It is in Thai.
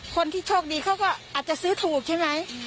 คนที่โชคดีเขาก็อาจจะซื้อถูกใช่ไหม